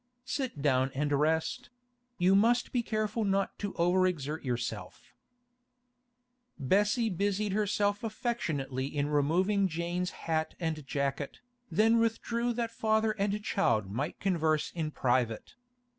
Sit down and rest; you must be careful not to over exert yourself.' Bessie busied herself affectionately in removing Jane's hat and jacket, then withdrew that father and child might converse in private.